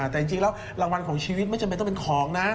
แต่จริงแล้วรางวัลของชีวิตไม่จำเป็นต้องเป็นของนะ